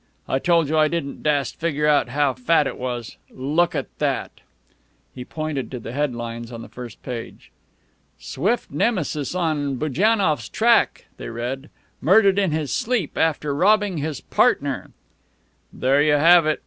"I told you I didn't dast figger out how fat it was. Look at that." He pointed to the head lines on the first page. "SWIFT NEMESIS ON BUJANNOFF'S TRACK," they read. "MURDERED IN HIS SLEEP AFTER ROBBING HIS PARTNER." "There you have it!"